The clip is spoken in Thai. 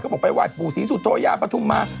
เขาบอกไปวาดปู่ศรีสุโธยาปทุมมา